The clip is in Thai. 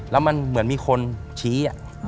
แล้วมันเหมือนมีคนชี้